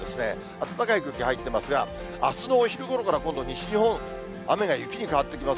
暖かい空気が入ってますが、あすのお昼ごろから今度、西日本、雨が雪に変わってきます。